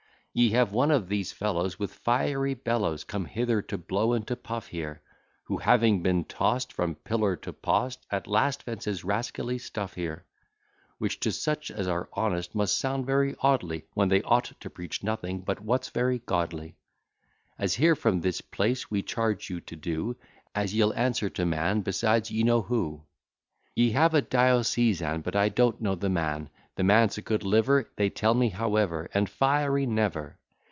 Ye have one of these fellows, With fiery bellows, Come hither to blow and to puff here; Who having been toss'd From pillar to post, At last vents his rascally stuff here: Which to such as are honest must sound very oddly, When they ought to preach nothing but what's very godly; As here from this place we charge you to do, As ye'll answer to man, besides ye know who. Ye have a Diocesan, [l] But I don't know the man; The man's a good liver, They tell me, however, And fiery never!